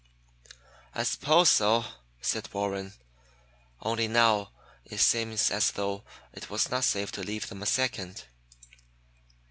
"I suppose so," said Warren. "Only now it seems as though it was not safe to leave them a second."